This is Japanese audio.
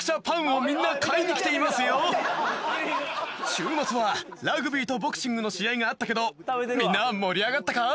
週末はラグビーとボクシングの試合があったけどみんな盛り上がったかい？